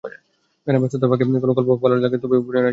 গানের ব্যস্ততার ফাঁকে কোনো গল্প ভালো লাগলে তবেই অভিনয়ে রাজি হই।